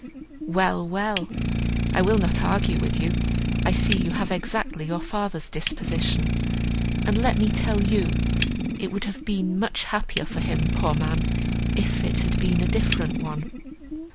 "Well—well! I will not argue with you; I see you have exactly your father's disposition; and let me tell you it would have been much happier for him, poor man! if it had been a different one."